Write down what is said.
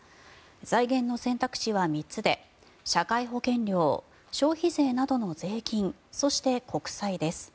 財源の選択肢は３つで社会保険料消費税などの税金そして国債です。